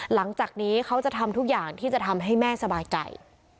หลังจากนี้เขาจะทำทุกอย่างที่จะทำให้แม่สบายใจ